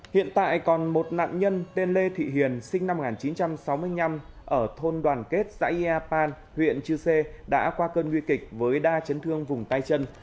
hiện tại còn một nạn nhân tên lê thị hiền sinh năm một nghìn chín trăm sáu mươi năm ở thôn đoàn kết xã yapan huyện chư sê đã qua cơn nguy kịch với đa chấn thương vùng tay chân